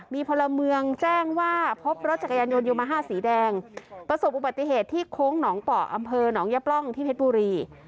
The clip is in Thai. มีพลเมืองแจ้งว่าพบรถจักรยานยนต์โยมาฮ่าสีแดงประสบอุบัติเหตุที่โค้งหนองป่ออำเภอหนองยะปล้องที่เพชรบุรี